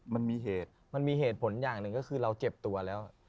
มันมีเหตุมันมีเหตุผลอย่างหนึ่งก็คือเราเจ็บตัวแล้ว